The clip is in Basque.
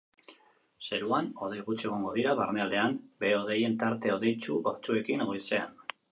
Zeruan hodei gutxi egongo dira, barnealdean behe-hodeien tarte hodeitsu batzuekin goizean.